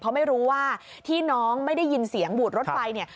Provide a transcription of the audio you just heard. เพราะไม่รู้ว่าที่น้องไม่ได้ยินเสียงบูดรถไฟเนี่ย